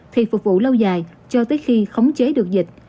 thì phục vụ lâu dài cho tới khi khống chế được dịch